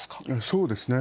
そうですね。